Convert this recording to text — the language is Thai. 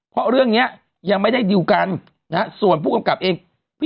เพราะเรื่องเนี้ยยังไม่ได้ดิวกันนะฮะส่วนผู้กำกับเองพี่